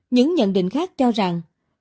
những nhận định khác cho rằng